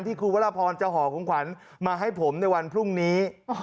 ครูวรพรจะห่อของขวัญมาให้ผมในวันพรุ่งนี้